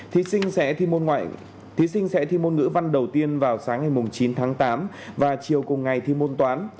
thí sinh sẽ thi môn ngữ văn đầu tiên vào sáng ngày chín tháng tám và chiều cùng ngày thi môn toán